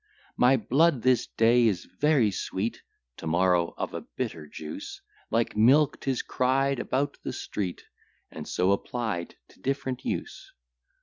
My blood this day is very sweet, To morrow of a bitter juice; Like milk, 'tis cried about the street, And so applied to different use.